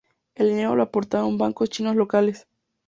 El dinero lo aportaron bancos chinos locales.